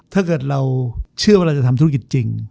ถ้าเกิดเราเชื่อว่าเราจะทำธุรกิจจริง